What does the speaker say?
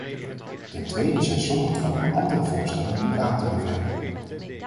Ten tweede zijn sommige van uw andere voorstellen niet aan te bevelen.